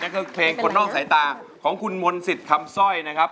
ก็คือเพลงคนนอกสายตาของคุณมนต์สิทธิ์คำสร้อยนะครับ